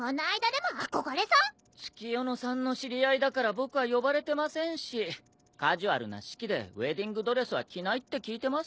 月夜野さんの知り合いだから僕は呼ばれてませんしカジュアルな式でウエディングドレスは着ないって聞いてますよ。